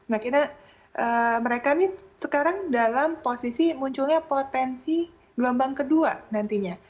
nah karena mereka ini sekarang dalam posisi munculnya potensi gelombang kedua nantinya